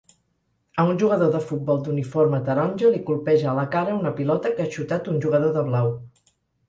A un jugador de futbol d'uniforme taronja li colpeja a la cara una pilota que ha xutat un jugador de blau.